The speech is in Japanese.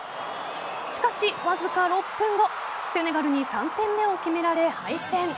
しかし、わずか６分後セネガルに３点目を決められ敗戦。